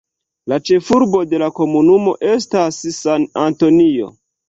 La ĉefurbo de la komunumo estas San Antonio.